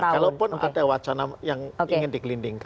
kalaupun ada wacana yang ingin dikelindingkan